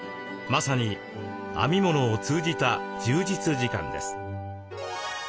まさに編み物を通じた充実時間です。